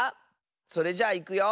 それじゃあいくよ。